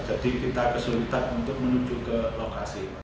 jadi kita kesulitan untuk menuju ke lokasi